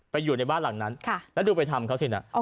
อยู่ในบ้านหลังนั้นแล้วดูไปทำเขาสินะ